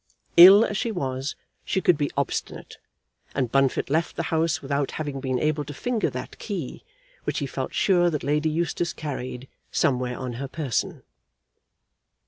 Ill as she was, she could be obstinate, and Bunfit left the house without having been able to finger that key which he felt sure that Lady Eustace carried somewhere on her person.